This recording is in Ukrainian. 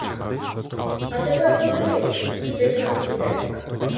А тепер подивись, куди грань іде.